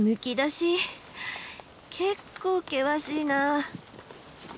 結構険しいな。